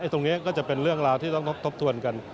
ตรงนี้ก็จะเป็นเรื่องราวที่ต้องทบทวนกัน